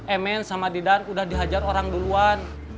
emen sama didan udah dihajar orang duluan